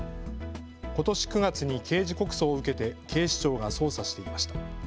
ことし９月に刑事告訴を受けて警視庁が捜査していました。